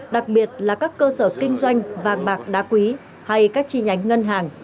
đặc biệt là các cơ sở kinh doanh vàng bạc đá quý hay các chi nhánh ngân hàng